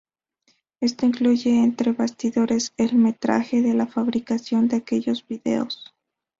Esto incluye entre bastidores el metraje de la fabricación de aquellos vídeos.